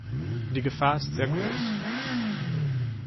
Die Gefahr ist sehr groß.